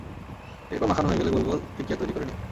এরপর মাখানো হয়ে গেলে গোল গোল টিকিয়া তৈরি করে নিন।